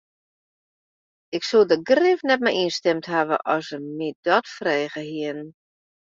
Ik soe der grif net mei ynstimd hawwe as se my dat frege hiene.